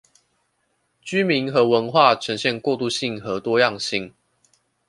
居民和文化呈現過渡性和多樣性